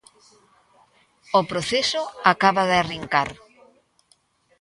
O proceso acaba de arrincar.